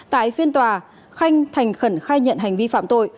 tại phiên tòa khanh thành khẩn khai nhận hành vi phạm tội